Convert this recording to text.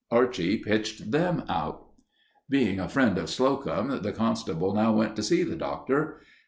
Archie pitched them out. Being a friend of Slocum, the constable now went to see the Doctor.